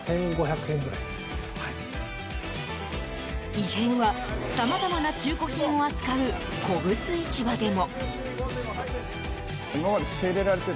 異変はさまざまな中古品を扱う古物市場でも。